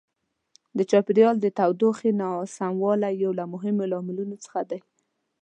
د چاپیریال د تودوخې ناسموالی یو له مهمو لاملونو څخه دی.